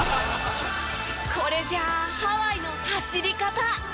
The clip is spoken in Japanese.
これじゃあ「ハワイの走り方」。